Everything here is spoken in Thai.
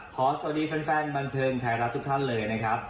ขอสวัสดีแฟนบันเทิงไทยรัฐทุกท่านเลยนะครับ